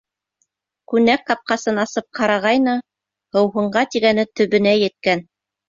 Күнәк ҡапҡасын асып ҡарағайны — һыуһынға тигәне төбөнә еткән...